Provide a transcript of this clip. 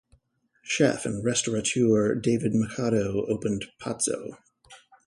Chef and restaurateur David Machado opened Pazzo.